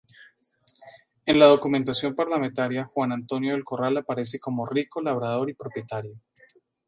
En la documentación parlamentaria Juan Antonio del Corral aparece como rico labrador y propietario.